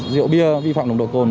rượu bia vi phạm nồng độ cồn